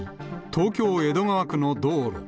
東京・江戸川区の道路。